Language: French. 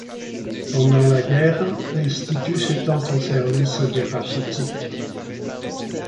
Pendant la guerre, l’Institut s'étend au service des rachitiques.